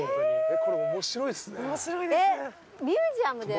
これ面白いですね。